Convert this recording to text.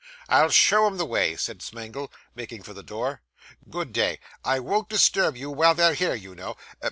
'I'll show 'em the way,' said Smangle, making for the door. 'Good day. I won't disturb you while they're here, you know.